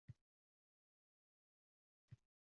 Aholi farovonligi yo‘l qurilish sohasiga uzviy bog‘liq